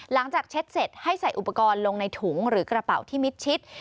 เช็ดเสร็จให้ใส่อุปกรณ์ลงในถุงหรือกระเป๋าที่มิดชิด